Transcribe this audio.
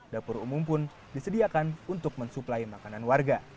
dapur umum pun disediakan untuk mensuplai makanan warga